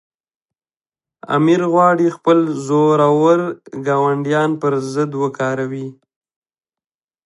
امیر غواړي خپل زورور ګاونډیان پر ضد وکاروي.